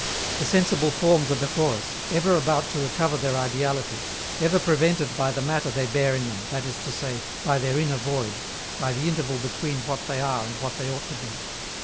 The sensible forms are before us, ever about to recover their ideality, ever prevented by the matter they bear in them, that is to say, by their inner void, by the interval between what they are and what they ought to be.